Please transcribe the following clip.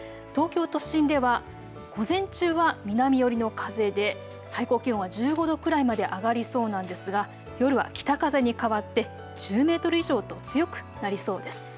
東京都心では午前中は南寄りの風で最高気温は１５度くらいまで上がりそうなんですが、夜は北風に変わって１０メートル以上と強くなりそうです。